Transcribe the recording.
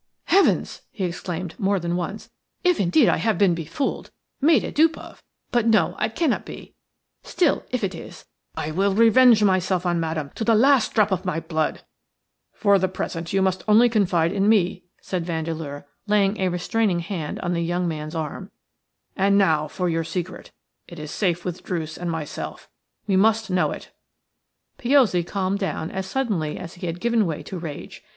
"Heavens!" he exclaimed more than once. "If indeed I have been befooled – made a dupe of – but no, it cannot be. Still, if it is, I will revenge myself on Madame to the last drop of my blood." "I WILL REVENGE MYSELF ON MADAME TO THE LAST DROP OF MY BLOOD." "For the present you must only confide in me," said Vandeleur, laying a restraining hand on the young man's arm. "And now for your secret – it is safe with Druce and my self; we must know it." Piozzi calmed down as suddenly as he had given way to rage.